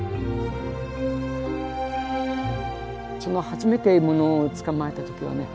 初めて獲物を捕まえた時はね